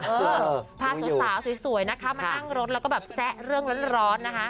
เออพาสาวสวยนะคะมานั่งรถแล้วก็แบบแซะเรื่องร้อนนะคะ